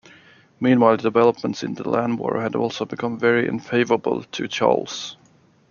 Meanwhile, the developments in the land war had also become very unfavourable to Charles.